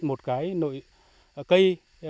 một cái nội cây